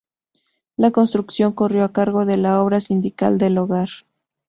La construcción corrió a cargo de la Obra Sindical del Hogar.